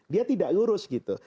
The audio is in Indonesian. dia tidak lurus gitu